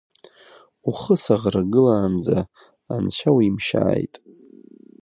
Ухы саӷрагылаанӡа анцәа уимшьааит.